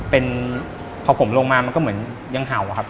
เป็นพอผมลงมามันก็เหมือนยังเห่าอะครับ